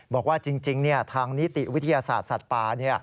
บอกว่าจริงทางนิติวิทยาศาสตร์สัตว์ป่า